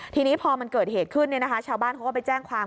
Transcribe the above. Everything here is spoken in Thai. ทีนี้พอมันเกิดเหตุขึ้นชาวบ้านเขาก็ไปแจ้งความ